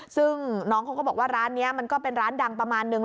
ซึ่งน้องเขาก็บอกว่าร้านนี้มันก็เป็นร้านดังประมาณนึง